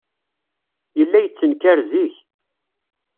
Yella yettenkar zik.